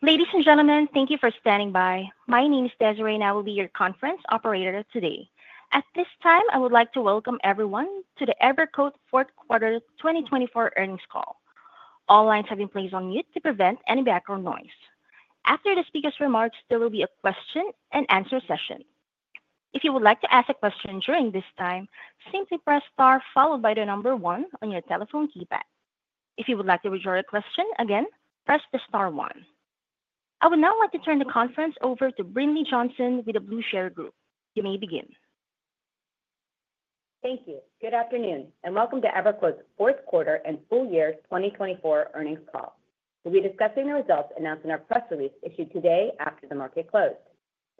Ladies and gentlemen, thank you for standing by. My name is Desiree, and I will be your conference operator today. At this time, I would like to welcome everyone to the EverQuote Fourth Quarter 2024 Earnings Call. All lines have been placed on mute to prevent any background noise. After the speaker's remarks, there will be a question-and-answer session. If you would like to ask a question during this time, simply press star followed by the number one on your telephone keypad. If you would like to reject a question again, press the star one. I would now like to turn the conference over to Brinlea Johnson with The Blueshirt Group. You may begin. Thank you. Good afternoon, and welcome to EverQuote's Fourth Quarter and Full Year 2024 Earnings Call. We'll be discussing the results announced in our press release issued today after the market closed.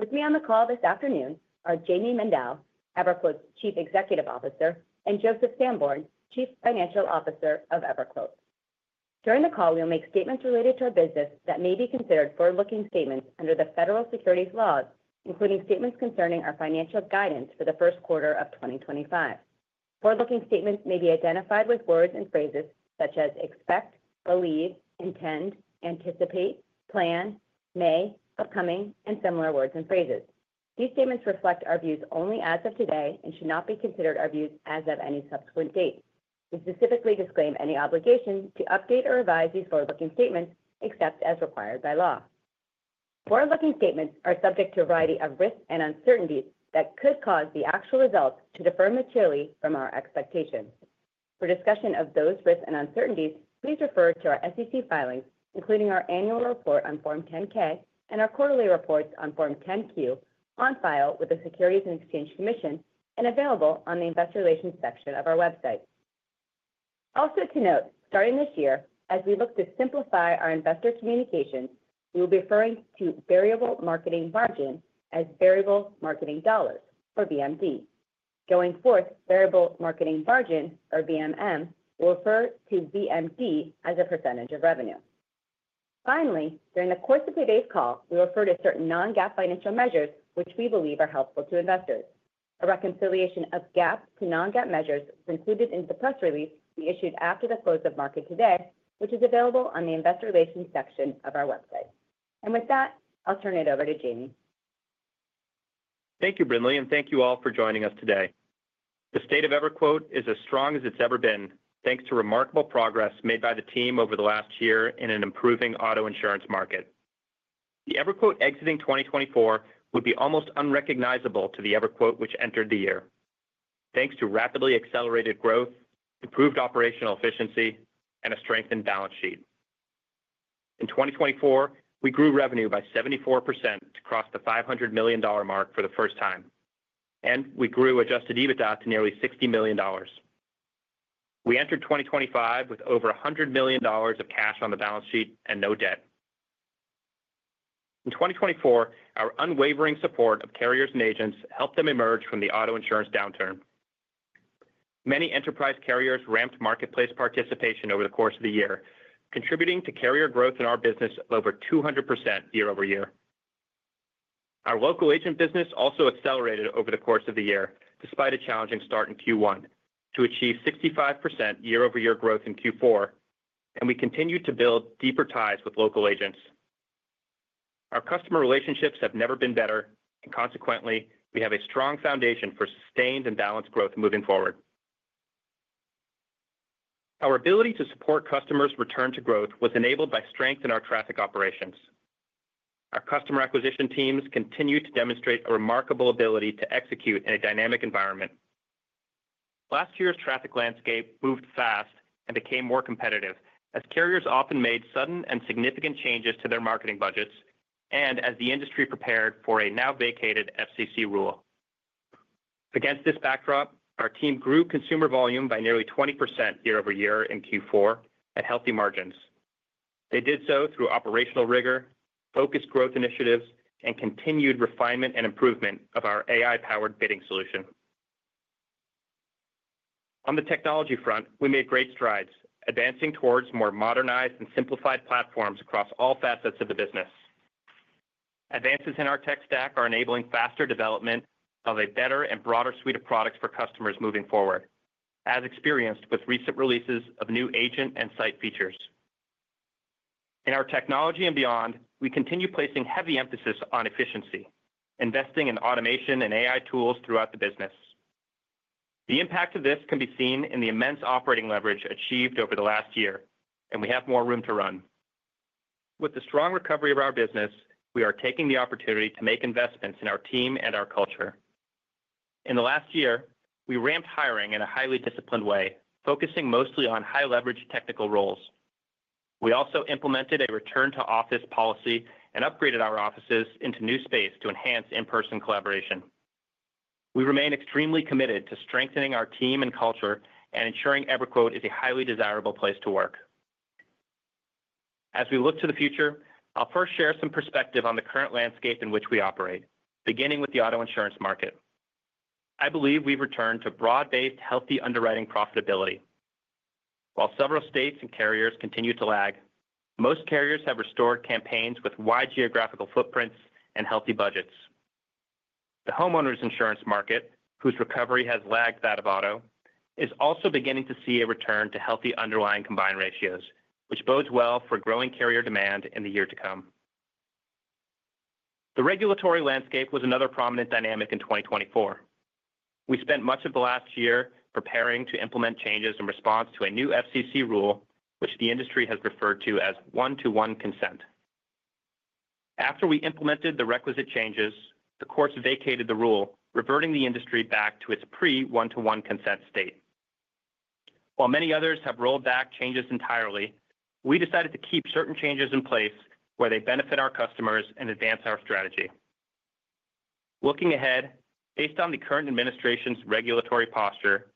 With me on the call this afternoon are Jayme Mendal, EverQuote's Chief Executive Officer, and Joseph Sanborn, Chief Financial Officer of EverQuote. During the call, we'll make statements related to our business that may be considered forward-looking statements under the federal securities laws, including statements concerning our financial guidance for the first quarter of 2025. Forward-looking statements may be identified with words and phrases such as expect, believe, intend, anticipate, plan, may, upcoming, and similar words and phrases. These statements reflect our views only as of today and should not be considered our views as of any subsequent date. We specifically disclaim any obligation to update or revise these forward-looking statements except as required by law. Forward-looking statements are subject to a variety of risks and uncertainties that could cause the actual results to differ materially from our expectations. For discussion of those risks and uncertainties, please refer to our SEC filings, including our annual report on Form 10-K and our quarterly reports on Form 10-Q, on file with the Securities and Exchange Commission and available on the Investor Relations section of our website. Also to note, starting this year, as we look to simplify our investor communications, we will be referring to variable marketing margin as variable marketing dollars, or VMD. Going forth, Variable Marketing Margin, or VMM, will refer to VMD as a percentage of revenue. Finally, during the course of today's call, we refer to certain non-GAAP financial measures, which we believe are helpful to investors. A reconciliation of GAAP to non-GAAP measures was included in the press release we issued after the close of market today, which is available on the Investor Relations section of our website, and with that, I'll turn it over to Jayme. Thank you, Brinlea, and thank you all for joining us today. The state of EverQuote is as strong as it's ever been, thanks to remarkable progress made by the team over the last year in an improving auto insurance market. The EverQuote exiting 2024 would be almost unrecognizable to the EverQuote which entered the year, thanks to rapidly accelerated growth, improved operational efficiency, and a strengthened balance sheet. In 2024, we grew revenue by 74% to cross the $500 million mark for the first time, and we grew Adjusted EBITDA to nearly $60 million. We entered 2025 with over $100 million of cash on the balance sheet and no debt. In 2024, our unwavering support of carriers and agents helped them emerge from the auto insurance downturn. Many enterprise carriers ramped marketplace participation over the course of the year, contributing to carrier growth in our business of over 200% year-over-year. Our local agent business also accelerated over the course of the year, despite a challenging start in Q1, to achieve 65% year-over-year growth in Q4, and we continue to build deeper ties with local agents. Our customer relationships have never been better, and consequently, we have a strong foundation for sustained and balanced growth moving forward. Our ability to support customers' return to growth was enabled by strength in our traffic operations. Our customer acquisition teams continue to demonstrate a remarkable ability to execute in a dynamic environment. Last year's traffic landscape moved fast and became more competitive as carriers often made sudden and significant changes to their marketing budgets and as the industry prepared for a now-vacated FCC rule. Against this backdrop, our team grew consumer volume by nearly 20% year-over-year in Q4 at healthy margins. They did so through operational rigor, focused growth initiatives, and continued refinement and improvement of our AI-powered bidding solution. On the technology front, we made great strides, advancing towards more modernized and simplified platforms across all facets of the business. Advances in our tech stack are enabling faster development of a better and broader suite of products for customers moving forward, as experienced with recent releases of new agent and site features. In our technology and beyond, we continue placing heavy emphasis on efficiency, investing in automation and AI tools throughout the business. The impact of this can be seen in the immense operating leverage achieved over the last year, and we have more room to run. With the strong recovery of our business, we are taking the opportunity to make investments in our team and our culture. In the last year, we ramped hiring in a highly disciplined way, focusing mostly on high-leverage technical roles. We also implemented a return-to-office policy and upgraded our offices into new space to enhance in-person collaboration. We remain extremely committed to strengthening our team and culture and ensuring EverQuote is a highly desirable place to work. As we look to the future, I'll first share some perspective on the current landscape in which we operate, beginning with the auto insurance market. I believe we've returned to broad-based, healthy underwriting profitability. While several states and carriers continue to lag, most carriers have restored campaigns with wide geographical footprints and healthy budgets. The homeowners insurance market, whose recovery has lagged that of auto, is also beginning to see a return to healthy underlying combined ratios, which bodes well for growing carrier demand in the year to come. The regulatory landscape was another prominent dynamic in 2024. We spent much of the last year preparing to implement changes in response to a new FCC rule, which the industry has referred to as one-to-one consent. After we implemented the requisite changes, the courts vacated the rule, reverting the industry back to its pre-one-to-one consent state. While many others have rolled back changes entirely, we decided to keep certain changes in place where they benefit our customers and advance our strategy. Looking ahead, based on the current administration's regulatory posture,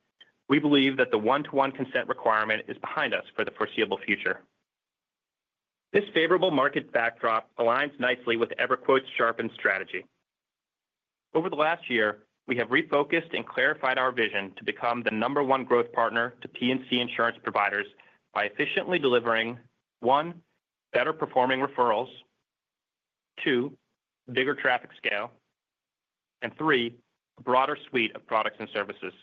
we believe that the one-to-one consent requirement is behind us for the foreseeable future. This favorable market backdrop aligns nicely with EverQuote's sharpened strategy. Over the last year, we have refocused and clarified our vision to become the number one growth partner to P&C insurance providers by efficiently delivering, one, better-performing referrals, two, bigger traffic scale, and three, a broader suite of products and services.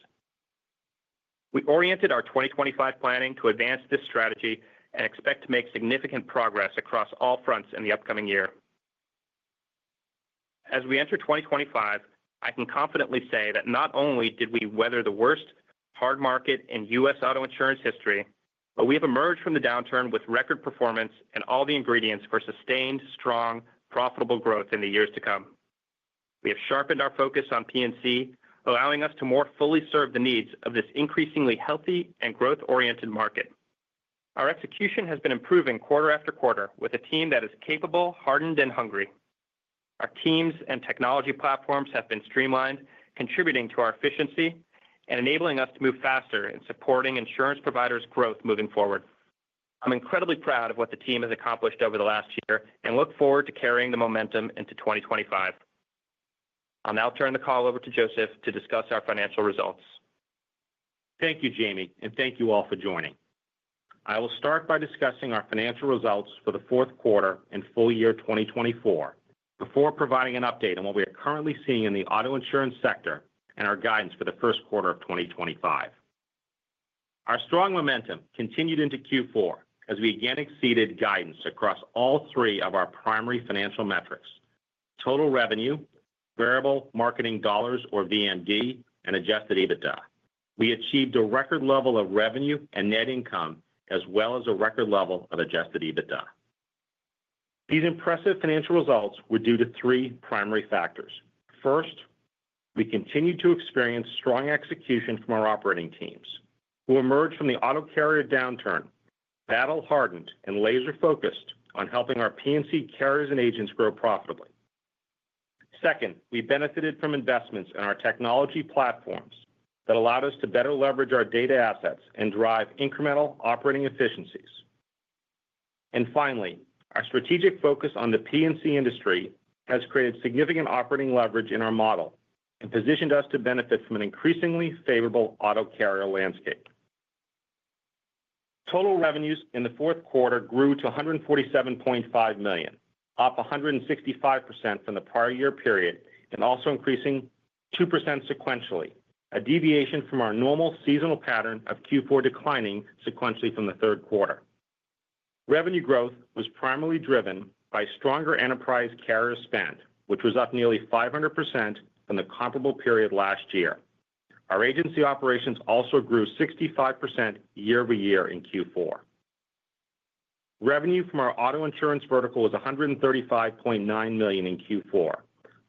We oriented our 2025 planning to advance this strategy and expect to make significant progress across all fronts in the upcoming year. As we enter 2025, I can confidently say that not only did we weather the worst hard market in U.S. auto insurance history, but we have emerged from the downturn with record performance and all the ingredients for sustained, strong, profitable growth in the years to come. We have sharpened our focus on P&C, allowing us to more fully serve the needs of this increasingly healthy and growth-oriented market. Our execution has been improving quarter after quarter with a team that is capable, hardened, and hungry. Our teams and technology platforms have been streamlined, contributing to our efficiency and enabling us to move faster in supporting insurance providers' growth moving forward. I'm incredibly proud of what the team has accomplished over the last year and look forward to carrying the momentum into 2025. I'll now turn the call over to Joseph to discuss our financial results. Thank you, Jayme, and thank you all for joining. I will start by discussing our financial results for the fourth quarter and full year 2024 before providing an update on what we are currently seeing in the auto insurance sector and our guidance for the first quarter of 2025. Our strong momentum continued into Q4 as we again exceeded guidance across all three of our primary financial metrics: total revenue, variable marketing dollars, or VMD, and Adjusted EBITDA. We achieved a record level of revenue and net income, as well as a record level of Adjusted EBITDA. These impressive financial results were due to three primary factors. First, we continued to experience strong execution from our operating teams, who emerged from the auto carrier downturn, battle-hardened, and laser-focused on helping our P&C carriers and agents grow profitably. Second, we benefited from investments in our technology platforms that allowed us to better leverage our data assets and drive incremental operating efficiencies. And finally, our strategic focus on the P&C industry has created significant operating leverage in our model and positioned us to benefit from an increasingly favorable auto carrier landscape. Total revenues in the fourth quarter grew to $147.5 million, up 165% from the prior year period, and also increasing 2% sequentially, a deviation from our normal seasonal pattern of Q4 declining sequentially from the third quarter. Revenue growth was primarily driven by stronger enterprise carrier spend, which was up nearly 500% from the comparable period last year. Our agency operations also grew 65% year-over-year in Q4. Revenue from our auto insurance vertical was $135.9 million in Q4,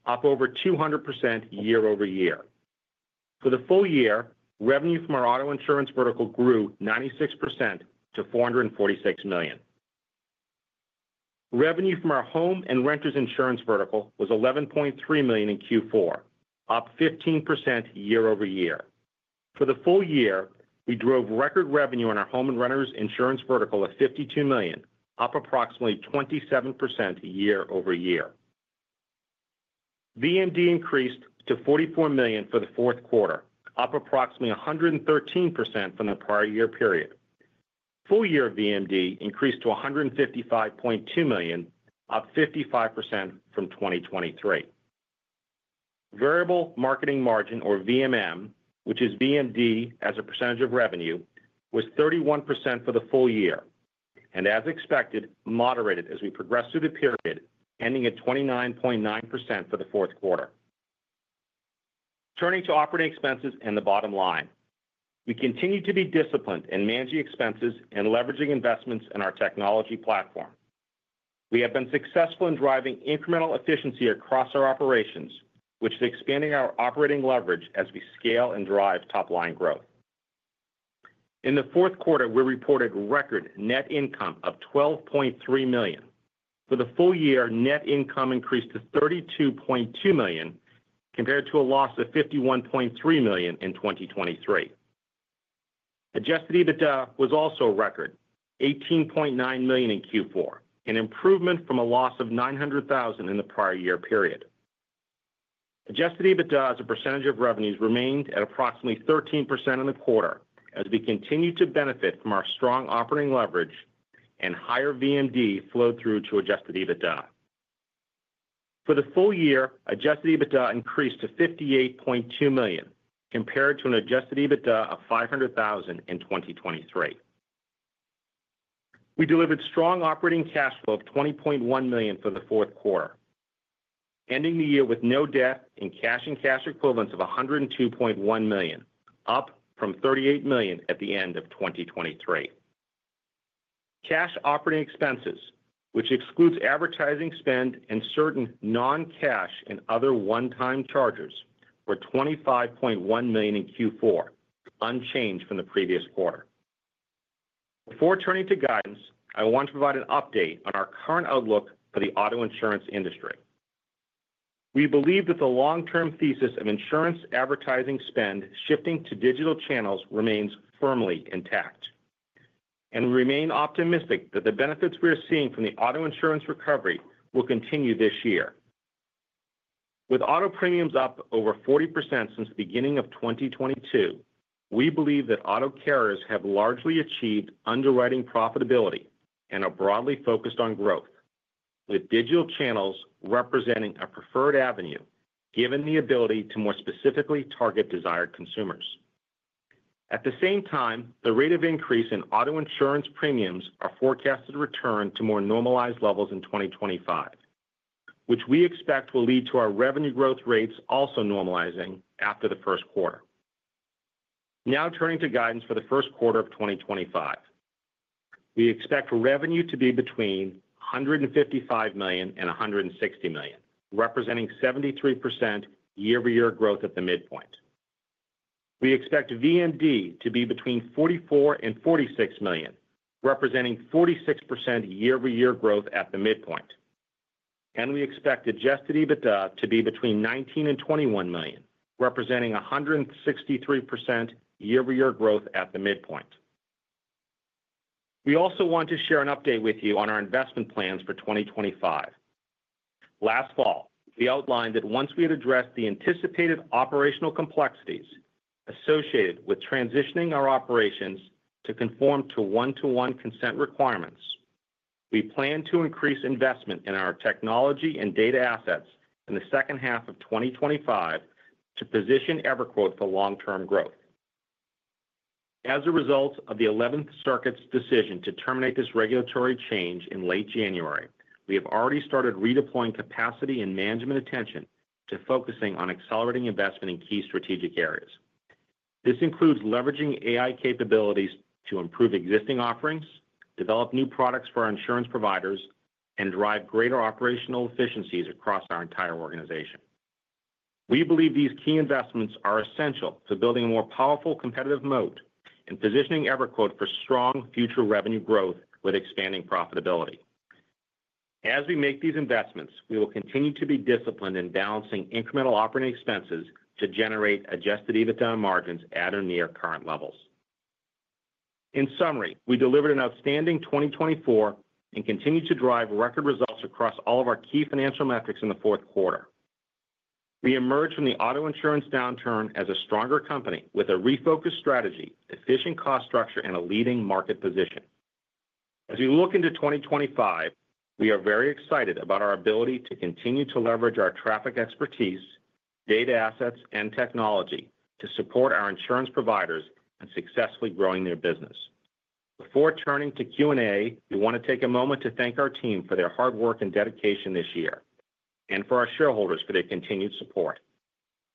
up over 200% year-over-year. For the full year, revenue from our auto insurance vertical grew 96% to $446 million. Revenue from our home and renters insurance vertical was $11.3 million in Q4, up 15% year-over-year. For the full year, we drove record revenue on our home and renters insurance vertical of $52 million, up approximately 27% year-over-year. VMD increased to $44 million for the fourth quarter, up approximately 113% from the prior year period. Full year VMD increased to $155.2 million, up 55% from 2023. Variable Marketing Margin, or VMM, which is VMD as a percentage of revenue, was 31% for the full year and, as expected, moderated as we progressed through the period, ending at 29.9% for the fourth quarter. Turning to operating expenses and the bottom line, we continue to be disciplined in managing expenses and leveraging investments in our technology platform. We have been successful in driving incremental efficiency across our operations, which is expanding our operating leverage as we scale and drive top-line growth. In the fourth quarter, we reported record net income of $12.3 million. For the full year, net income increased to $32.2 million compared to a loss of $51.3 million in 2023. Adjusted EBITDA was also record, $18.9 million in Q4, an improvement from a loss of $900,000 in the prior year period. Adjusted EBITDA as a percentage of revenues remained at approximately 13% in the quarter as we continued to benefit from our strong operating leverage and higher VMD flow-through to Adjusted EBITDA. For the full year, Adjusted EBITDA increased to $58.2 million compared to an Adjusted EBITDA of $500,000 in 2023. We delivered strong operating cash flow of $20.1 million for the fourth quarter, ending the year with no debt and cash and cash equivalents of $102.1 million, up from $38 million at the end of 2023. Cash operating expenses, which excludes advertising spend and certain non-cash and other one-time charges, were $25.1 million in Q4, unchanged from the previous quarter. Before turning to guidance, I want to provide an update on our current outlook for the auto insurance industry. We believe that the long-term thesis of insurance advertising spend shifting to digital channels remains firmly intact, and we remain optimistic that the benefits we are seeing from the auto insurance recovery will continue this year. With auto premiums up over 40% since the beginning of 2022, we believe that auto carriers have largely achieved underwriting profitability and are broadly focused on growth, with digital channels representing a preferred avenue given the ability to more specifically target desired consumers. At the same time, the rate of increase in auto insurance premiums are forecast to return to more normalized levels in 2025, which we expect will lead to our revenue growth rates also normalizing after the first quarter. Now turning to guidance for the first quarter of 2025, we expect revenue to be between $155-$160 million, representing 73% year-over-year growth at the midpoint. We expect VMD to be between $44-$46 million, representing 46% year-over-year growth at the midpoint, and we expect Adjusted EBITDA to be between $19-$21 million, representing 163% year-over-year growth at the midpoint. We also want to share an update with you on our investment plans for 2025. Last fall, we outlined that once we had addressed the anticipated operational complexities associated with transitioning our operations to conform to one-to-one consent requirements, we plan to increase investment in our technology and data assets in the second half of 2025 to position EverQuote for long-term growth. As a result of the 11th Circuit's decision to terminate this regulatory change in late January, we have already started redeploying capacity and management attention to focusing on accelerating investment in key strategic areas. This includes leveraging AI capabilities to improve existing offerings, develop new products for our insurance providers, and drive greater operational efficiencies across our entire organization. We believe these key investments are essential to building a more powerful competitive moat and positioning EverQuote for strong future revenue growth with expanding profitability. As we make these investments, we will continue to be disciplined in balancing incremental operating expenses to generate Adjusted EBITDA margins at or near current levels. In summary, we delivered an outstanding 2024 and continue to drive record results across all of our key financial metrics in the fourth quarter. We emerged from the auto insurance downturn as a stronger company with a refocused strategy, efficient cost structure, and a leading market position. As we look into 2025, we are very excited about our ability to continue to leverage our traffic expertise, data assets, and technology to support our insurance providers and successfully growing their business. Before turning to Q&A, we want to take a moment to thank our team for their hard work and dedication this year and for our shareholders for their continued support.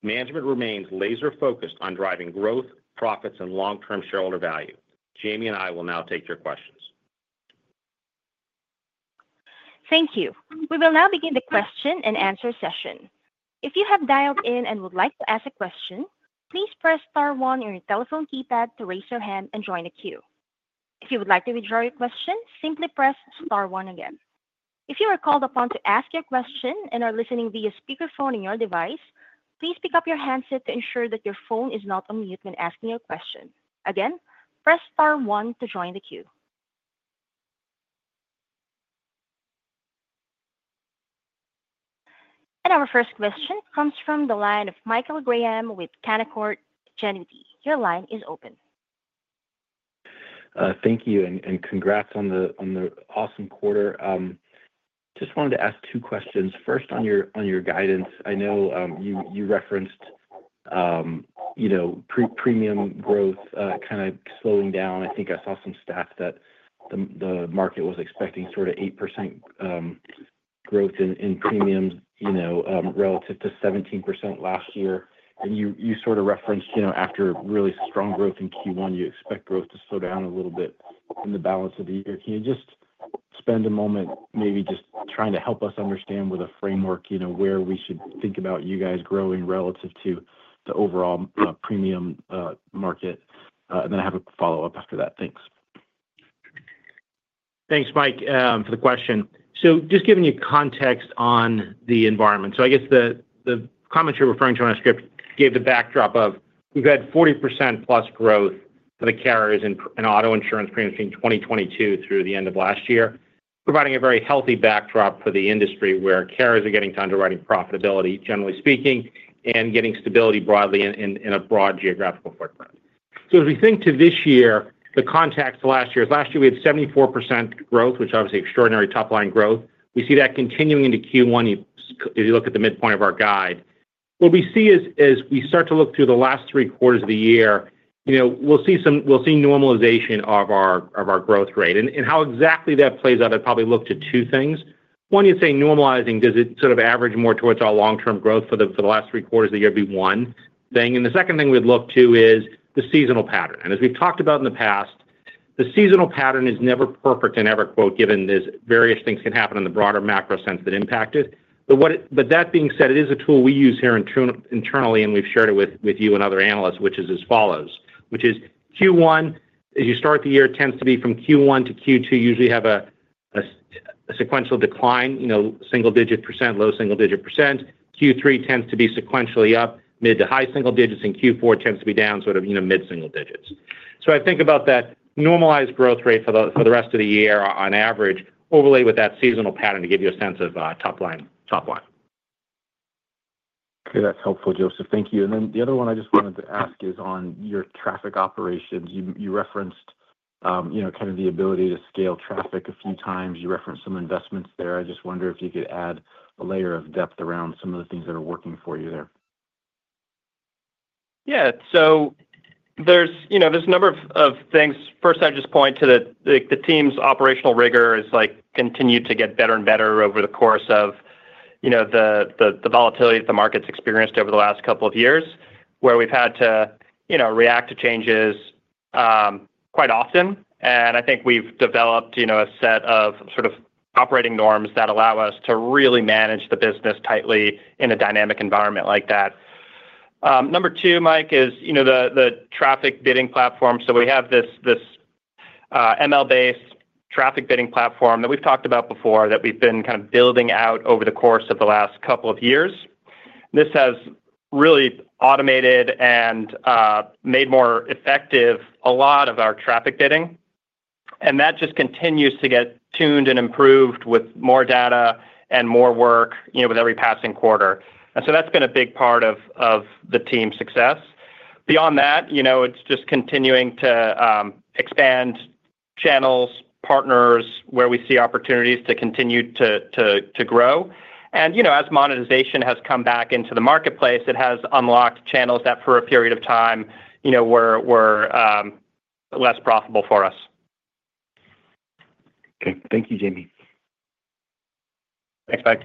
Management remains laser-focused on driving growth, profits, and long-term shareholder value. Jayme and I will now take your questions. Thank you. We will now begin the question and answer session. If you have dialed in and would like to ask a question, please press star one on your telephone keypad to raise your hand and join the queue. If you would like to withdraw your question, simply press star one again. If you are called upon to ask your question and are listening via speakerphone in your device, please pick up your handset to ensure that your phone is not on mute when asking your question. Again, press star one to join the queue. And our first question comes from the line of Michael Graham with Canaccord Genuity. Your line is open. Thank you and congrats on the awesome quarter. Just wanted to ask two questions. First, on your guidance, I know you referenced, you know, premium growth kind of slowing down. I think I saw some stats that the market was expecting sort of 8% growth in premiums relative to 17% last year. And you sort of referenced after really strong growth in Q1, you expect growth to slow down a little bit in the balance of the year. Can you just spend a moment maybe just trying to help us understand with a framework where we should think about you guys growing relative to the overall premium market? And then I have a follow-up after that. Thanks. Thanks, Mike, for the question. So just giving you context on the environment. So I guess the comments you're referring to on our script gave the backdrop of we've had 40%-plus growth for the carriers in auto insurance premiums between 2022 through the end of last year, providing a very healthy backdrop for the industry where carriers are getting to underwriting profitability, generally speaking, and getting stability broadly in a broad geographical footprint. So as we think to this year, the context last year is last year we had 74% growth, which is obviously extraordinary top-line growth. We see that continuing into Q1 if you look at the midpoint of our guide. What we see is as we start to look through the last three quarters of the year, we'll see normalization of our growth rate. And how exactly that plays out, I'd probably look to two things. One, you'd say normalizing, does it sort of average more towards our long-term growth for the last three quarters of the year would be one thing. And the second thing we'd look to is the seasonal pattern, and as we've talked about in the past, the seasonal pattern is never perfect in EverQuote given various things can happen in the broader macro sense that impact it. But that being said, it is a tool we use here internally, and we've shared it with you and other analysts, which is as follows, which is Q1, as you start the year, tends to be from Q1 to Q2, usually have a sequential decline, single-digit percent, low single-digit percent, Q3 tends to be sequentially up, mid to high single digits, and Q4 tends to be down, sort of mid-single digits. So I think about that normalized growth rate for the rest of the year on average, overlay with that seasonal pattern to give you a sense of top line. Okay, that's helpful, Joseph. Thank you. And then the other one I just wanted to ask is on your traffic operations. You referenced kind of the ability to scale traffic a few times. You referenced some investments there. I just wonder if you could add a layer of depth around some of the things that are working for you there? Yeah. So there's a number of things. First, I'd just point to the team's operational rigor has continued to get better and better over the course of the volatility that the market's experienced over the last couple of years, where we've had to, you know, react to changes quite often. And I think we've developed a set of sort of operating norms that allow us to really manage the business tightly in a dynamic environment like that. Number two, Mike, is the traffic bidding platform. So we have this ML-based traffic bidding platform that we've talked about before that we've been kind of building out over the course of the last couple of years. This has really automated and made more effective a lot of our traffic bidding. And that just continues to get tuned and improved with more data and more work with every passing quarter. And so that's been a big part of the team's success. Beyond that, you know, it's just continuing to expand channels, partners where we see opportunities to continue to grow. And as monetization has come back into the marketplace, it has unlocked channels that for a period of time were less profitable for us. Okay. Thank you, Jayme. Thanks, Mike.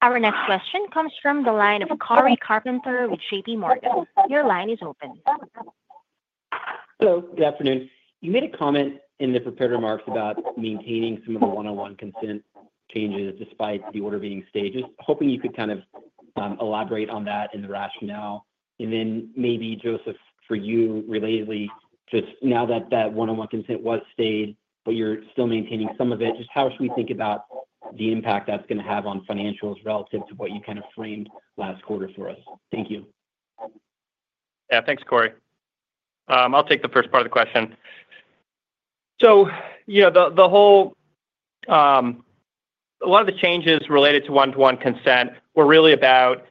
Our next question comes from the line of Cory Carpenter with JPMorgan. Your line is open. Hello. Good afternoon. You made a comment in the prepared remarks about maintaining some of the one-to-one consent changes despite the order being stayed. Just hoping you could kind of elaborate on that and the rationale. And then maybe, Joseph, for you, relatedly, just now that that one-to-one consent was stayed, but you're still maintaining some of it, just how should we think about the impact that's going to have on financials relative to what you kind of framed last quarter for us? Thank you. Yeah. Thanks, Cory. I'll take the first part of the question. So a lot of the changes related to one-to-one consent were really about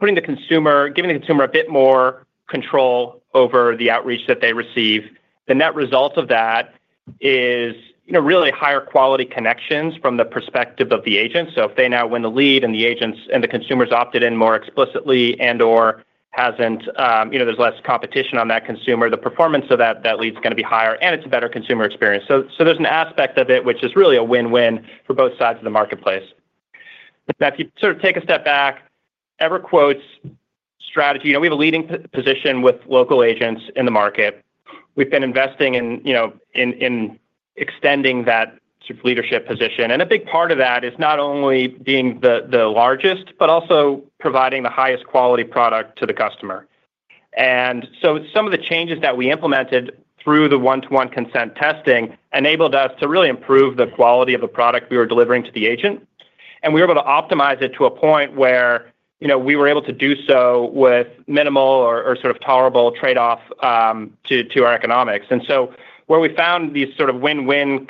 giving the consumer a bit more control over the outreach that they receive. The net result of that is really higher quality connections from the perspective of the agent. So if they now win the lead and the consumers opted in more explicitly and/or there's less competition on that consumer, the performance of that lead is going to be higher, and it's a better consumer experience. So there's an aspect of it which is really a win-win for both sides of the marketplace. Now, if you sort of take a step back, EverQuote's strategy, we have a leading position with local agents in the market. We've been investing in extending that leadership position. A big part of that is not only being the largest, but also providing the highest quality product to the customer. Some of the changes that we implemented through the one-to-one consent testing enabled us to really improve the quality of the product we were delivering to the agent. We were able to optimize it to a point where we were able to do so with minimal or sort of tolerable trade-off to our economics. Where we found these sort of win-win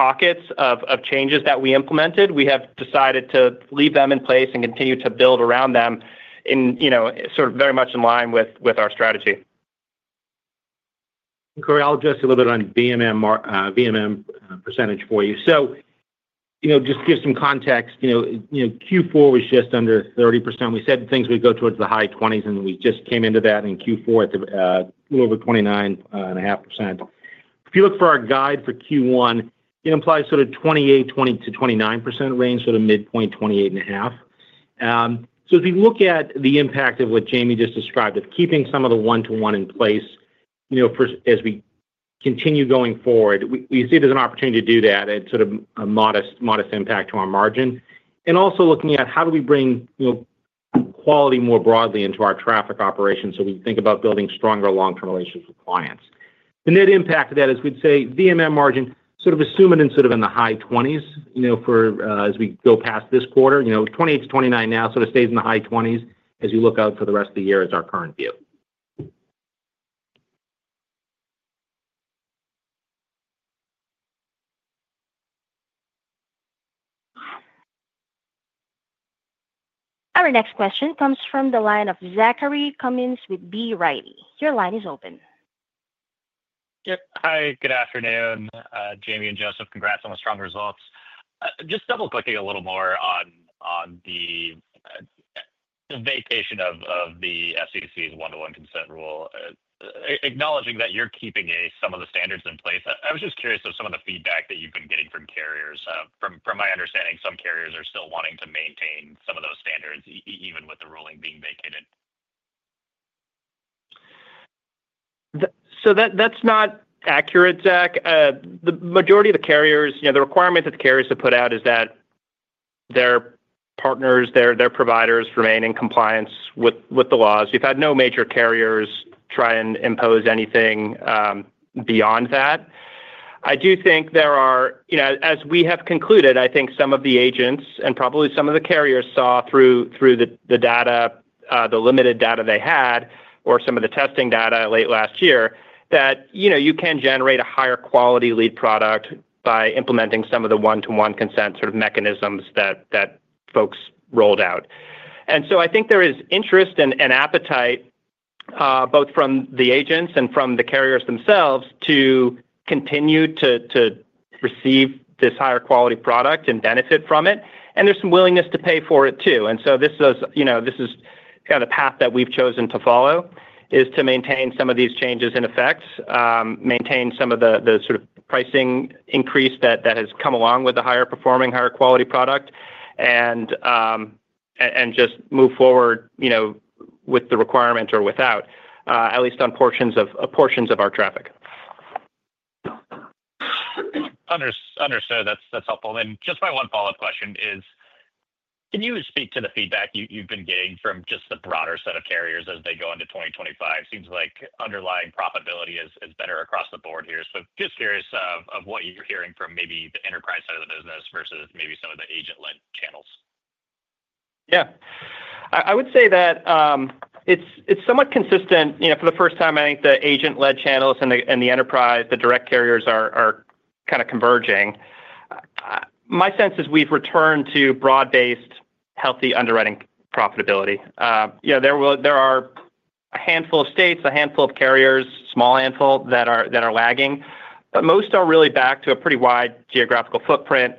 kind of pockets of changes that we implemented, we have decided to leave them in place and continue to build around them sort of very much in line with our strategy. And, Cory, I'll address you a little bit on VMM percentage for you. So just to give some context, Q4 was just under 30%. We said things would go towards the high 20s, and we just came into that in Q4 at a little over 29.5%. If you look for our guide for Q1, it implies sort of 28%-29% range, sort of midpoint 28.5%. So if you look at the impact of what Jayme just described of keeping some of the one-to-one in place as we continue going forward, we see it as an opportunity to do that and sort of a modest impact to our margin. And also looking at how do we bring quality more broadly into our traffic operations so we think about building stronger long-term relationships with clients. The net impact of that is we'd say VMM margin sort of assumed in sort of the high 20s as we go past this quarter. 28%-29% now sort of stays in the high 20s as you look out for the rest of the year is our current view. Our next question comes from the line of Zachary Cummins with B. Riley. Your line is open. Yep. Hi. Good afternoon, Jayme and Joseph. Congrats on the strong results. Just double-clicking a little more on the vacation of the FCC's one-to-one consent rule, acknowledging that you're keeping some of the standards in place. I was just curious of some of the feedback that you've been getting from carriers. From my understanding, some carriers are still wanting to maintain some of those standards even with the ruling being vacated. So that's not accurate, Zach. The majority of the carriers, the requirement that the carriers have put out is that their partners, their providers remain in compliance with the laws. We've had no major carriers try and impose anything beyond that. I do think there are, as we have concluded, I think some of the agents and probably some of the carriers saw through the data, the limited data they had or some of the testing data late last year that you can generate a higher quality lead product by implementing some of the one-to-one consent sort of mechanisms that folks rolled out. And so I think there is interest and appetite both from the agents and from the carriers themselves to continue to receive this higher quality product and benefit from it, and there's some willingness to pay for it too. This is kind of the path that we've chosen to follow: to maintain some of these changes in effect, maintain some of the sort of pricing increase that has come along with the higher performing, higher quality product, and just move forward with the requirement or without, at least on portions of our traffic. Understood. That's helpful. And just my one follow-up question is, can you speak to the feedback you've been getting from just the broader set of carriers as they go into 2025? Seems like underlying profitability is better across the board here. So just curious of what you're hearing from maybe the enterprise side of the business versus maybe some of the agent-led channels. Yeah. I would say that it's somewhat consistent. For the first time, I think the agent-led channels and the direct carriers are kind of converging. My sense is we've returned to broad-based, healthy underwriting profitability. There are a handful of states, a handful of carriers, small handful that are lagging. But most are really back to a pretty wide geographical footprint,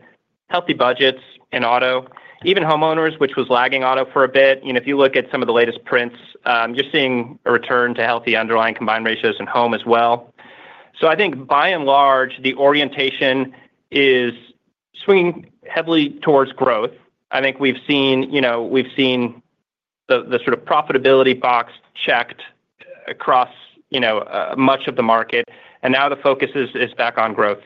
healthy budgets in auto, even homeowners, which was lagging auto for a bit. If you look at some of the latest prints, you're seeing a return to healthy underlying combined ratios in home as well. So I think by and large, the orientation is swinging heavily towards growth. I think we've seen the sort of profitability box checked across much of the market, and now the focus is back on growth.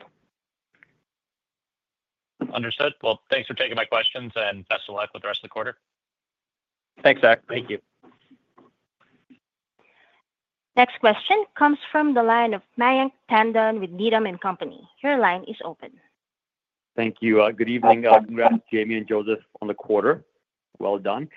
Understood. Well, thanks for taking my questions and best of luck with the rest of the quarter. Thanks, Zach. Thank you. Next question comes from the line of Mayank Tandon with Needham & Company. Your line is open. Thank you. Good evening. Congrats, Jayme and Joseph, on the quarter. Well done.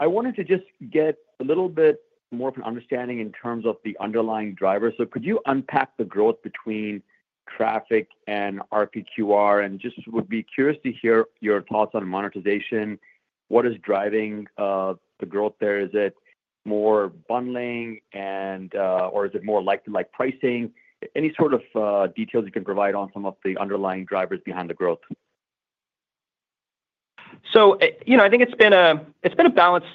I wanted to just get a little bit more of an understanding in terms of the underlying drivers. So could you unpack the growth between traffic and RPQR? And just would be curious to hear your thoughts on monetization. What is driving the growth there? Is it more bundling, or is it more like-to-like pricing? Any sort of details you can provide on some of the underlying drivers behind the growth? So I think it's been a balanced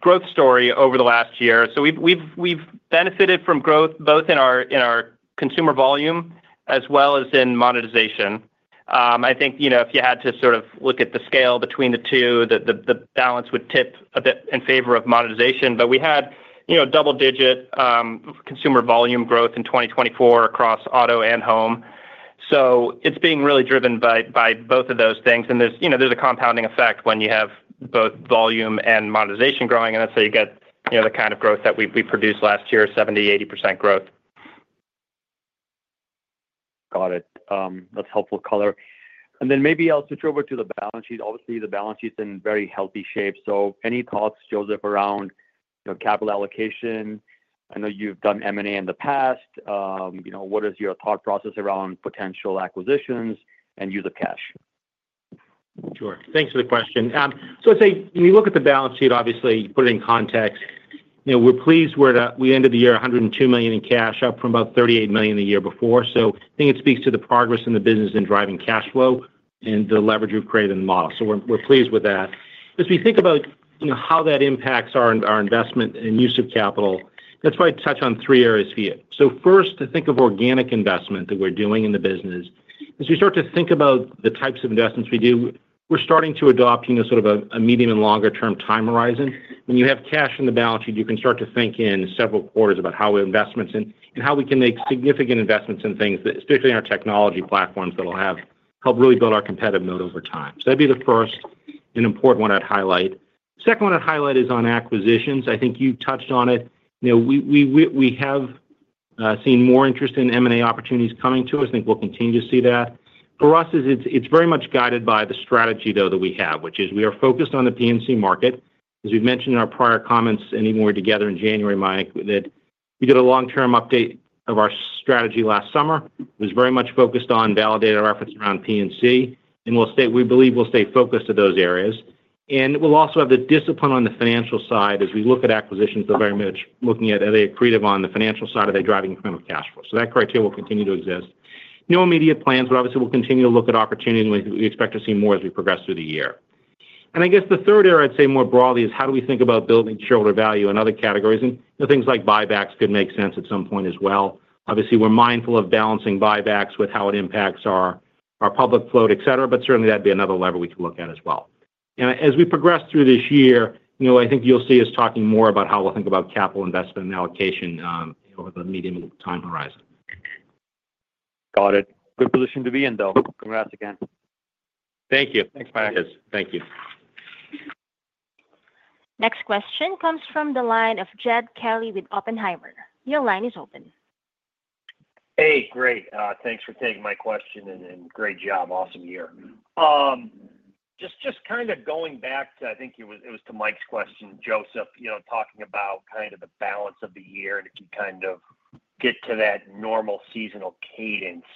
growth story over the last year. So we've benefited from growth both in our consumer volume as well as in monetization. I think if you had to sort of look at the scale between the two, the balance would tip a bit in favor of monetization. But we had double-digit consumer volume growth in 2024 across auto and home. So it's being really driven by both of those things. And there's a compounding effect when you have both volume and monetization growing. And that's how you get the kind of growth that we produced last year, 70%-80% growth. Got it. That's helpful color. And then maybe I'll switch over to the balance sheet. Obviously, the balance sheet's in very healthy shape. So any thoughts, Joseph, around capital allocation? I know you've done M&A in the past. What is your thought process around potential acquisitions and use of cash? Sure. Thanks for the question. So I'd say when you look at the balance sheet, obviously, put it in context, we're pleased we ended the year $102 million in cash, up from about $38 million the year before. So I think it speaks to the progress in the business in driving cash flow and the leverage we've created in the model. So we're pleased with that. As we think about how that impacts our investment and use of capital, that's why I touch on three areas for you. So first, to think of organic investment that we're doing in the business, as we start to think about the types of investments we do, we're starting to adopt sort of a medium and longer-term time horizon. When you have cash in the balance sheet, you can start to think in several quarters about how investments and how we can make significant investments in things, especially in our technology platforms that will help really build our competitive moat over time. So that'd be the first and important one I'd highlight. The second one I'd highlight is on acquisitions. I think you touched on it. We have seen more interest in M&A opportunities coming to us. I think we'll continue to see that. For us, it's very much guided by the strategy, though, that we have, which is we are focused on the P&C market. As we've mentioned in our prior comments and even when we were together in January, Mike, that we did a long-term update of our strategy last summer. It was very much focused on validated efforts around P&C. And we believe we'll stay focused to those areas. And we'll also have the discipline on the financial side as we look at acquisitions. They're very much looking at, are they accretive on the financial side? Are they driving incremental cash flow? So that criteria will continue to exist. No immediate plans, but obviously, we'll continue to look at opportunities. We expect to see more as we progress through the year. And I guess the third area, I'd say more broadly, is how do we think about building shareholder value in other categories? And things like buybacks could make sense at some point as well. Obviously, we're mindful of balancing buybacks with how it impacts our public float, etc., but certainly, that'd be another lever we could look at as well. As we progress through this year, I think you'll see us talking more about how we'll think about capital investment and allocation over the medium-term time horizon. Got it. Good position to be in, though. Congrats again. Thank you. Thanks, guys. Thank you. Next question comes from the line of Jed Kelly with Oppenheimer. Your line is open. Hey, great. Thanks for taking my question and great job. Awesome year. Just kind of going back to, I think it was to Mike's question, Joseph, talking about kind of the balance of the year and if you kind of get to that normal seasonal cadence,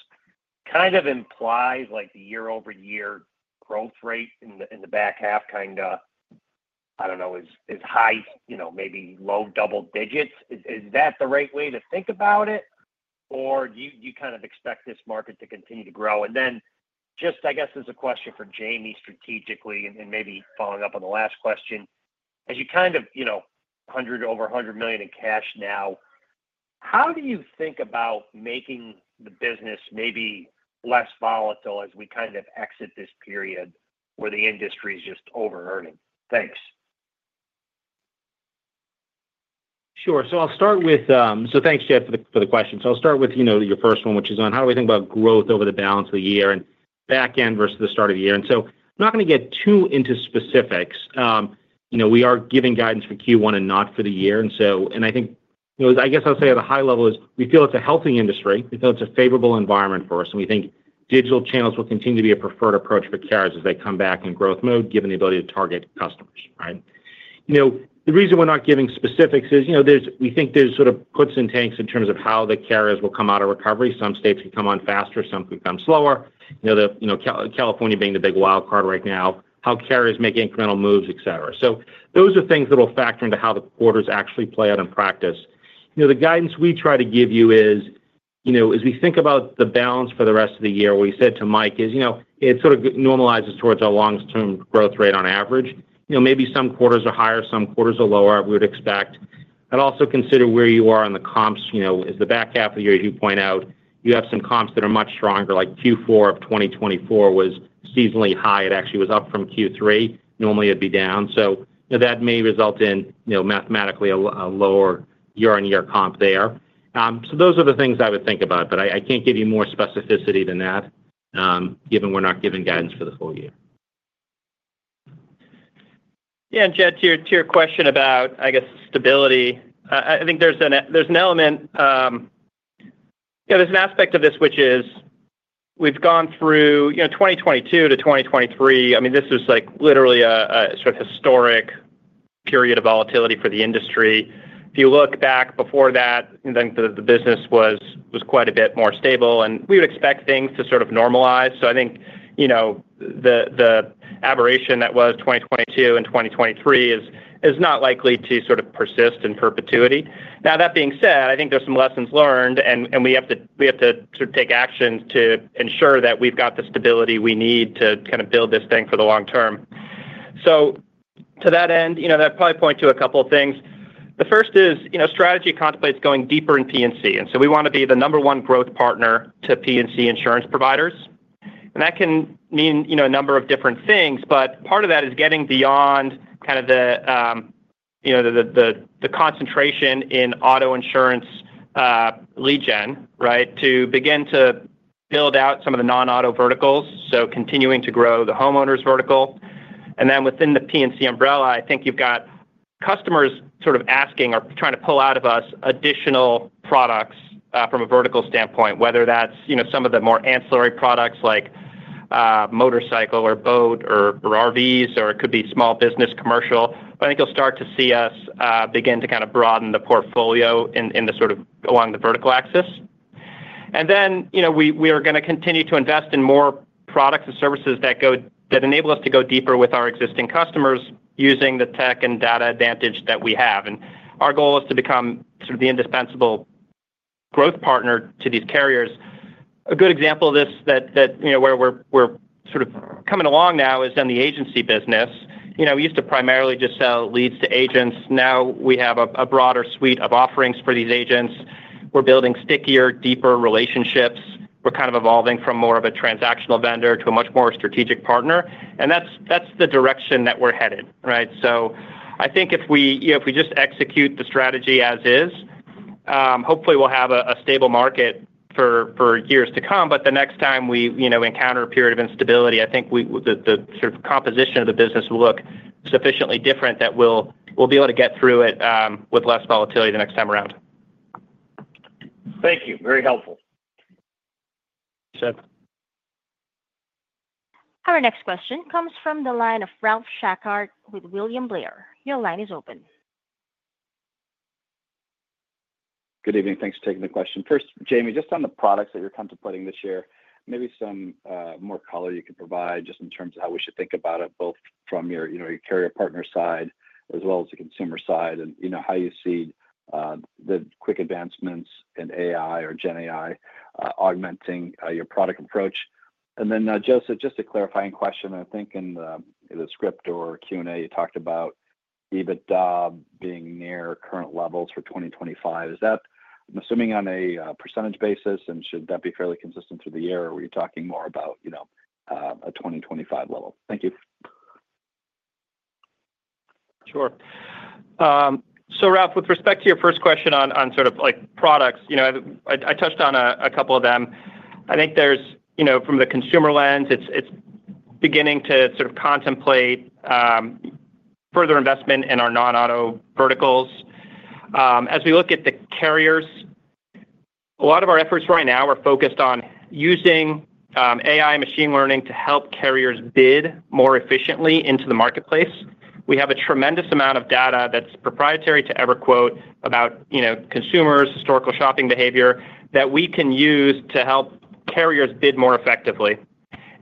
kind of implies the year-over-year growth rate in the back half kind of, I don't know, is high, maybe low double digits. Is that the right way to think about it? Or do you kind of expect this market to continue to grow? And then just, I guess, as a question for Jayme strategically, and maybe following up on the last question, as you kind of have over $100 million in cash now, how do you think about making the business maybe less volatile as we kind of exit this period where the industry is just overburdened? Thanks. Sure. So I'll start with, so thanks, Jed, for the question. So I'll start with your first one, which is on how do we think about growth over the balance of the year and back end versus the start of the year? And so I'm not going to get too into specifics. We are giving guidance for Q1 and not for the year. And I think, I guess I'll say at a high level is we feel it's a healthy industry. We feel it's a favorable environment for us. And we think digital channels will continue to be a preferred approach for carriers as they come back in growth mode, given the ability to target customers, right? You know, the reason we're not giving specifics is we think there's sort of puts and takes in terms of how the carriers will come out of recovery. Some states can come on faster. Some can come slower. California being the big wild card right now, how carriers make incremental moves, etc, so those are things that will factor into how the quarters actually play out in practice. The guidance we try to give you is, as we think about the balance for the rest of the year, what we said to Mike is it sort of normalizes towards a long-term growth rate on average. Maybe some quarters are higher, some quarters are lower, we would expect, and also consider where you are on the comps, as the back half of the year, as you point out, you have some comps that are much stronger, like Q4 of 2024 was seasonally high, it actually was up from Q3. Normally, it'd be down, so that may result in mathematically a lower year-on-year comp there, so those are the things I would think about. But I can't give you more specificity than that, given we're not giving guidance for the full year. Yeah. And Jed, to your question about, I guess, stability, I think there's an element. There's an aspect of this which is we've gone through 2022 to 2023. I mean, this was literally a sort of historic period of volatility for the industry. If you look back before that, I think the business was quite a bit more stable. And we would expect things to sort of normalize. So I think the aberration that was 2022 and 2023 is not likely to sort of persist in perpetuity. Now, that being said, I think there's some lessons learned, and we have to sort of take action to ensure that we've got the stability we need to kind of build this thing for the long term. So to that end, that'd probably point to a couple of things. The first is strategy contemplates going deeper in P&C. And so we want to be the number one growth partner to P&C insurance providers. And that can mean a number of different things. But part of that is getting beyond kind of the concentration in auto insurance alone, right, to begin to build out some of the non-auto verticals. So continuing to grow the homeowners vertical. And then within the P&C umbrella, I think you've got customers sort of asking or trying to pull out of us additional products from a vertical standpoint, whether that's some of the more ancillary products like motorcycle or boat or RVs, or it could be small business commercial. But I think you'll start to see us begin to kind of broaden the portfolio in the sort of along the vertical axis. And then we are going to continue to invest in more products and services that enable us to go deeper with our existing customers using the tech and data advantage that we have. Our goal is to become sort of the indispensable growth partner to these carriers. A good example of this that where we're sort of coming along now is in the agency business. We used to primarily just sell leads to agents. Now we have a broader suite of offerings for these agents. We're building stickier, deeper relationships. We're kind of evolving from more of a transactional vendor to a much more strategic partner. And that's the direction that we're headed, right? So I think if we just execute the strategy as is, hopefully, we'll have a stable market for years to come. The next time we encounter a period of instability, I think the sort of composition of the business will look sufficiently different that we'll be able to get through it with less volatility the next time around. Thank you. Very helpful. Our next question comes from the line of Ralph Schackart with William Blair. Your line is open. Good evening. Thanks for taking the question. First, Jayme, just on the products that you're contemplating this year, maybe some more color you could provide just in terms of how we should think about it, both from your carrier partner side as well as the consumer side, and how you see the quick advancements in AI or GenAI augmenting your product approach. And then, Joseph, just a clarifying question, I think in the script or Q&A, you talked about EBITDA being near current levels for 2025. Is that, I'm assuming, on a percentage basis? And should that be fairly consistent through the year, or are you talking more about a 2025 level? Thank you. Sure. So, Ralph, with respect to your first question on sort of products, I touched on a couple of them. I think from the consumer lens, it's beginning to sort of contemplate further investment in our non-auto verticals. As we look at the carriers, a lot of our efforts right now are focused on using AI and machine learning to help carriers bid more efficiently into the marketplace. We have a tremendous amount of data that's proprietary to EverQuote about consumers, historical shopping behavior that we can use to help carriers bid more effectively.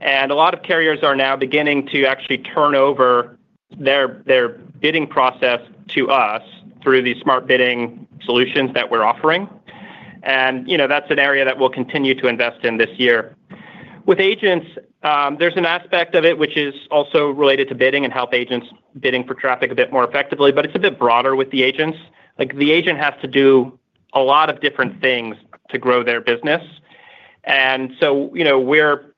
And a lot of carriers are now beginning to actually turn over their bidding process to us through these smart bidding solutions that we're offering. And that's an area that we'll continue to invest in this year. With agents, there's an aspect of it which is also related to bidding and help agents bidding for traffic a bit more effectively. But it's a bit broader with the agents. The agent has to do a lot of different things to grow their business. And so we're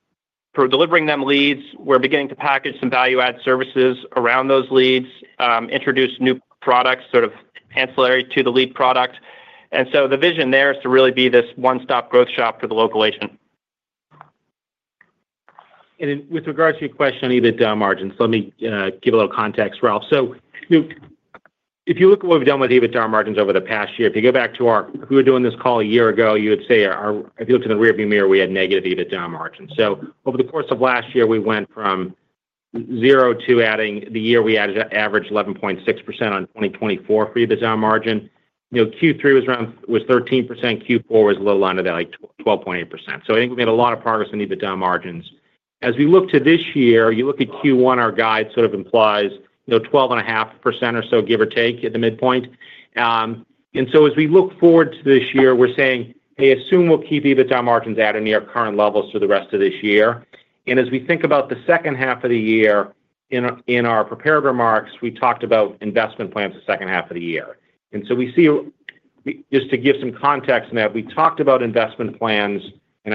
delivering them leads. We're beginning to package some value-add services around those leads, introduce new products sort of ancillary to the lead product. And so the vision there is to really be this one-stop growth shop for the local agent. With regards to your question on EBITDA margins, let me give a little context, Ralph. So if you look at what we've done with EBITDA margins over the past year, if you go back to our Q4 earnings call a year ago, you would say, if you looked in the rearview mirror, we had negative EBITDA margins. So over the course of last year, we went from zero. In the year we averaged 11.6% in 2024 for EBITDA margin. Q3 was 13%. Q4 was a little under that, like 12.8%. So I think we made a lot of progress in EBITDA margins. As we look to this year, you look at Q1, our guide sort of implies 12.5% or so, give or take, at the midpoint. As we look forward to this year, we're saying, "Hey, assume we'll keep EBITDA margins at or near current levels through the rest of this year." As we think about the second half of the year, in our prepared remarks, we talked about investment plans for the second half of the year. We see, just to give some context in that, we talked about investment plans in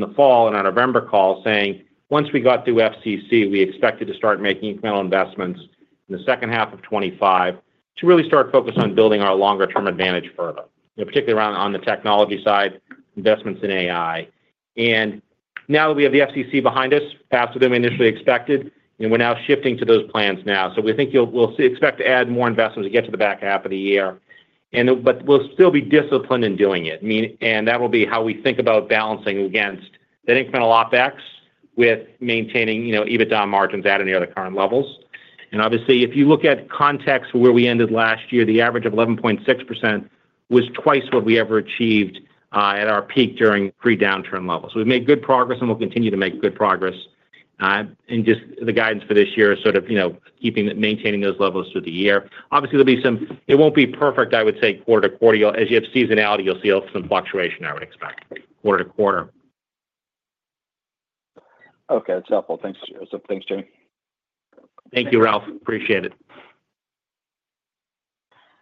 the fall and our November call, saying, "Once we got through FCC, we expected to start making incremental investments in the second half of 2025 to really start focusing on building our longer-term advantage further, particularly around on the technology side, investments in AI." Now that we have the FCC behind us, faster than we initially expected, and we're now shifting to those plans now. So we think we'll expect to add more investments to get to the back half of the year. But we'll still be disciplined in doing it, and that will be how we think about balancing against that incremental OpEx with maintaining EBITDA margins at or near the current levels. And obviously, if you look at context for where we ended last year, the average of 11.6% was twice what we ever achieved at our peak during pre-downturn levels. We've made good progress, and we'll continue to make good progress. And just the guidance for this year is sort of maintaining those levels through the year. Obviously, there'll be some; it won't be perfect, I would say, quarter to quarter. As you have seasonality, you'll see some fluctuation, I would expect, quarter to quarter. Okay. That's helpful. Thanks, Joseph. Thanks, Jayme. Thank you, Ralph. Appreciate it.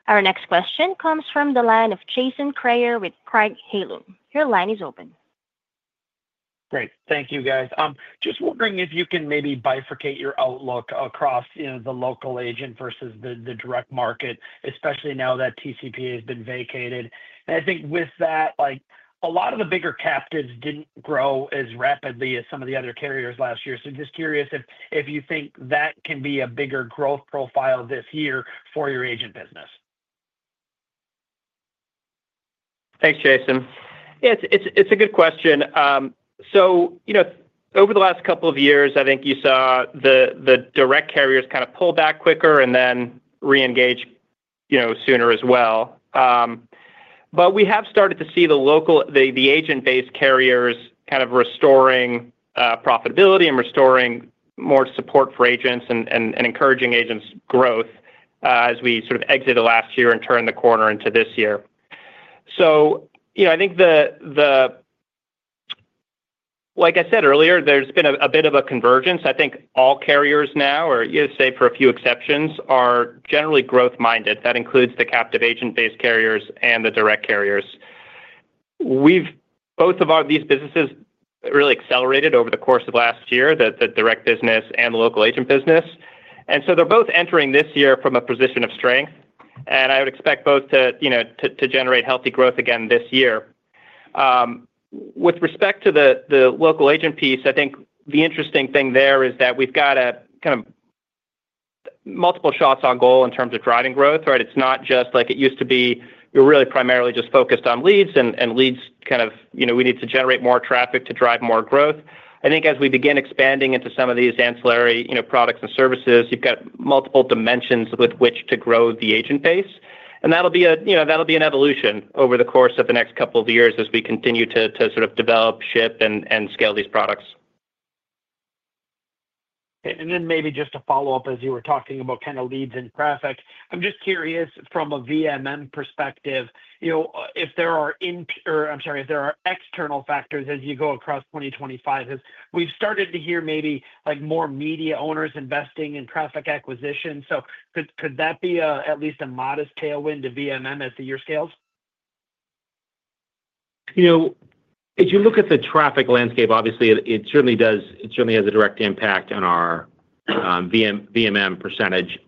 Our next question comes from the line of Jason Kreyer with Craig-Hallum. Your line is open. Great. Thank you, guys. Just wondering if you can maybe bifurcate your outlook across the local agent versus the direct market, especially now that TCPA has been vacated. And I think with that, a lot of the bigger captives didn't grow as rapidly as some of the other carriers last year. So just curious if you think that can be a bigger growth profile this year for your agent business? Thanks, Jason. Yeah, it's a good question. So over the last couple of years, I think you saw the direct carriers kind of pull back quicker and then re-engage sooner as well. But we have started to see the agent-based carriers kind of restoring profitability and restoring more support for agents and encouraging agents' growth as we sort of exit the last year and turn the corner into this year. So I think, like I said earlier, there's been a bit of a convergence. I think all carriers now, or save for a few exceptions, are generally growth-minded. That includes the captive agent-based carriers and the direct carriers. Both of these businesses really accelerated over the course of last year, the direct business and the local agent business. And so they're both entering this year from a position of strength. I would expect both to generate healthy growth again this year. With respect to the local agent piece, I think the interesting thing there is that we've got kind of multiple shots on goal in terms of driving growth, right? It's not just like it used to be. We're really primarily just focused on leads. And leads, kind of we need to generate more traffic to drive more growth. I think as we begin expanding into some of these ancillary products and services, you've got multiple dimensions with which to grow the agent base. And that'll be an evolution over the course of the next couple of years as we continue to sort of develop, ship, and scale these products. Then maybe just to follow up, as you were talking about kind of leads and traffic, I'm just curious from a VMM perspective, if there are external factors as you go across 2025. We've started to hear maybe more media owners investing in traffic acquisition. So could that be at least a modest tailwind to VMM as the year scales? If you look at the traffic landscape, obviously, it certainly has a direct impact on our VMM percentage.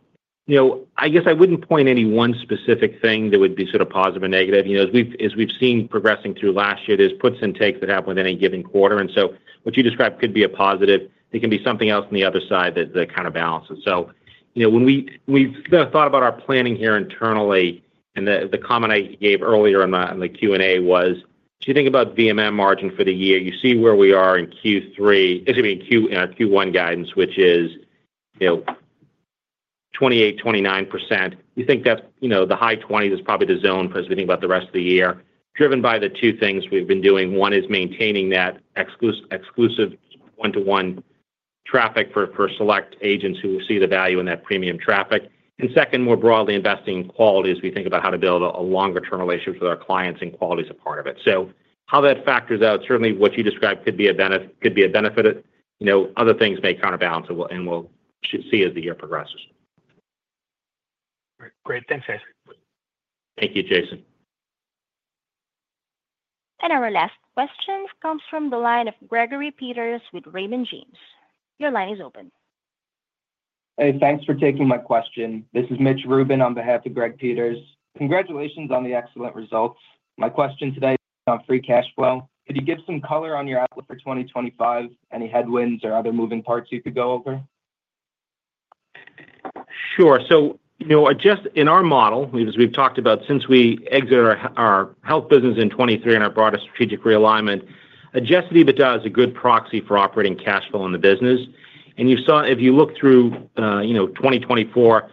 I guess I wouldn't point any one specific thing that would be sort of positive or negative. As we've seen progressing through last year, there's puts and takes that happen within a given quarter. And so what you described could be a positive. It can be something else on the other side that kind of balances. So when we thought about our planning here internally, and the comment I gave earlier on the Q&A was, if you think about VMM margin for the year, you see where we are in Q3, excuse me, in Q1 guidance, which is 28%-29%. You think that the high 20 is probably the zone because we think about the rest of the year, driven by the two things we've been doing. One is maintaining that exclusive one-to-one traffic for select agents who see the value in that premium traffic, and second, more broadly investing in quality as we think about how to build a longer-term relationship with our clients and quality is a part of it, so how that factors out, certainly what you described could be a benefit. Other things may counterbalance, and we'll see as the year progresses. Great. Thanks, guys. Thank you, Jason. Our last question comes from the line of Gregory Peters with Raymond James. Your line is open. Hey, thanks for taking my question. This is Mitch Rubin on behalf of Greg Peters. Congratulations on the excellent results. My question today is on free cash flow. Could you give some color on your outlook for 2025? Any headwinds or other moving parts you could go over? Sure. So just in our model, as we've talked about, since we exited our health business in 2023 and our broader strategic realignment, Adjusted EBITDA is a good proxy for operating cash flow in the business. And if you look through 2024,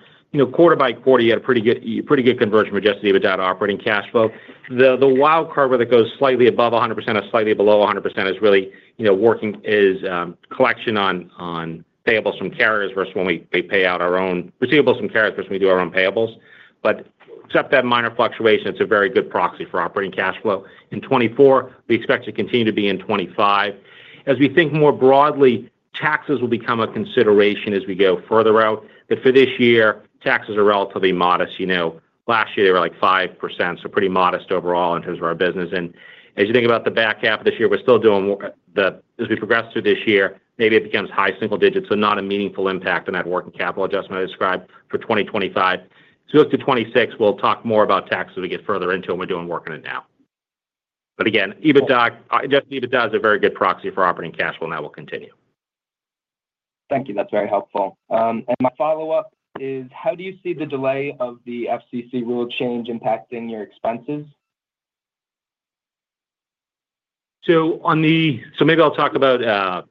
quarter by quarter, you had a pretty good conversion for Adjusted EBITDA to operating cash flow. The wildcard where that goes slightly above 100% or slightly below 100% is really working as collection on payables from carriers versus when we pay out our own receivables from carriers versus when we do our own payables. But except that minor fluctuation, it's a very good proxy for operating cash flow. In 2024, we expect to continue to be in 2025. As we think more broadly, taxes will become a consideration as we go further out. But for this year, taxes are relatively modest. Last year, they were like 5%, so pretty modest overall in terms of our business. And as you think about the back half of this year, we're still doing as we progress through this year, maybe it becomes high single digits, so not a meaningful impact on that working capital adjustment I described for 2025. So we look to 2026. We'll talk more about taxes as we get further into it when we're doing work in it now. But again, Adjusted EBITDA is a very good proxy for operating cash flow, and that will continue. Thank you. That's very helpful, and my follow-up is, how do you see the delay of the FCC rule change impacting your expenses? So, maybe I'll talk about: are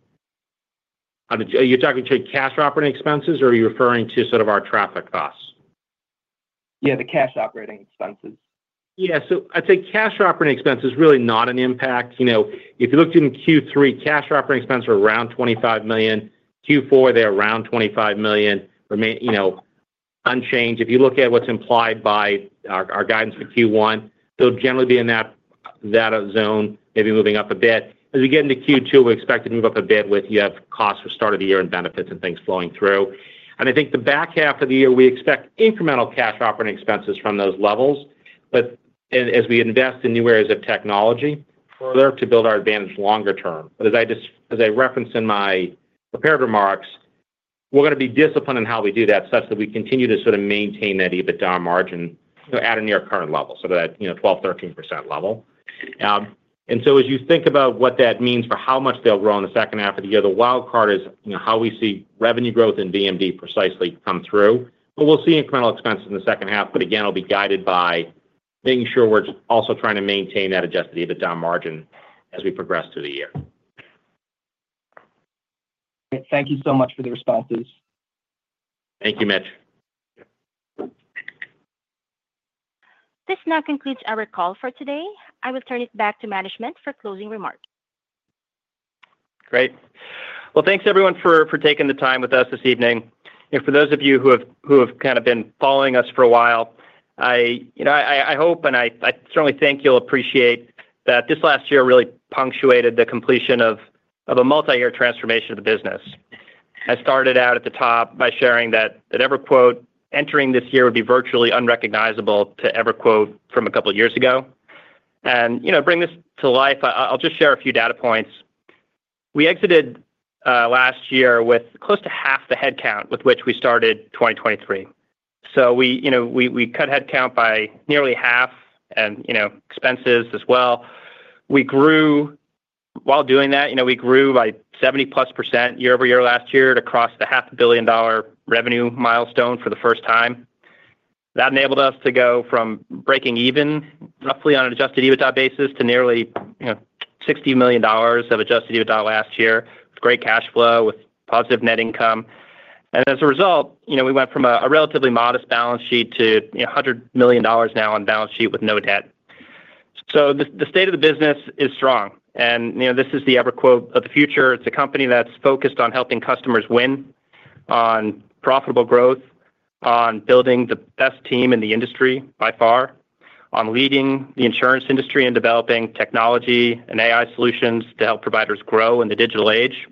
you talking to cash operating expenses, or are you referring to sort of our traffic costs? Yeah, the cash operating expenses. Yeah. So I'd say cash operating expense is really not an impact. If you looked in Q3, cash operating expense were around $25 million. Q4, they're around $25 million, unchanged. If you look at what's implied by our guidance for Q1, they'll generally be in that zone, maybe moving up a bit. As we get into Q2, we expect to move up a bit with the costs for start of the year and benefits and things flowing through. And I think the back half of the year, we expect incremental cash operating expenses from those levels. But as we invest in new areas of technology further to build our advantage longer term. But as I referenced in my prepared remarks, we're going to be disciplined in how we do that such that we continue to sort of maintain that EBITDA margin at or near current level, sort of that 12%-13% level. And so as you think about what that means for how much they'll grow in the second half of the year, the wildcard is how we see revenue growth in VMD precisely come through. But we'll see incremental expenses in the second half. But again, it'll be guided by making sure we're also trying to maintain that Adjusted EBITDA margin as we progress through the year. Thank you so much for the responses. Thank you, Mitch. This now concludes our call for today. I will turn it back to management for closing remarks. Great. Well, thanks, everyone, for taking the time with us this evening, and for those of you who have kind of been following us for a while, I hope and I certainly think you'll appreciate that this last year really punctuated the completion of a multi-year transformation of the business. I started out at the top by sharing that EverQuote entering this year would be virtually unrecognizable to EverQuote from a couple of years ago, and to bring this to life, I'll just share a few data points. We exited last year with close to half the headcount with which we started 2023, so we cut headcount by nearly half and expenses as well. While doing that, we grew by 70+ percent year-over-year last year to cross the $500 million revenue milestone for the first time. That enabled us to go from breaking even roughly on an Adjusted EBITDA basis to nearly $60 million of Adjusted EBITDA last year with great cash flow, with positive net income. And as a result, we went from a relatively modest balance sheet to $100 million now on balance sheet with no debt. So the state of the business is strong. And this is the EverQuote of the future. It's a company that's focused on helping customers win on profitable growth, on building the best team in the industry by far, on leading the insurance industry in developing technology and AI solutions to help providers grow in the digital age.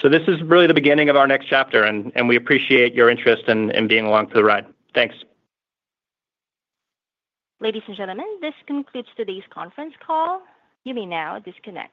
So this is really the beginning of our next chapter. And we appreciate your interest in being along for the ride. Thanks. Ladies and gentlemen, this concludes today's conference call. You may now disconnect.